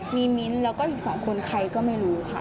มีมิ้นท์แล้วก็อีก๒คนใครก็ไม่รู้ค่ะ